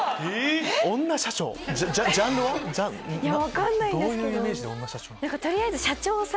女社長⁉分かんないんですけど。